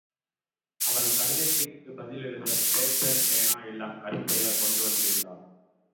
அவள் கடிதத்திற்குப் பதில் எழுத பேப்பர், பேனா எல்லாம் கருப்பையா கொண்டு வந்திருந்தான்.